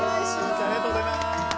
ありがとうございます。